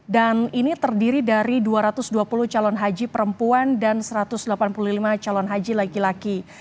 dan ini terdiri dari dua ratus dua puluh calon haji perempuan dan satu ratus delapan puluh lima calon haji laki laki